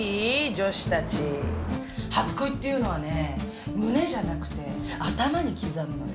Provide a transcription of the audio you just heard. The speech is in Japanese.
女子たち初恋っていうのはね胸じゃなくて頭に刻むのよ。